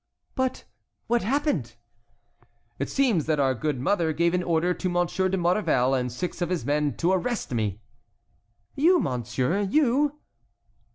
"But what happened?" "It seems that our good mother gave an order to Monsieur de Maurevel and six of his men to arrest me." "You, monsieur, you?"